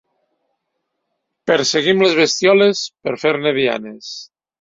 Perseguim les bestioles per fer-ne dianes.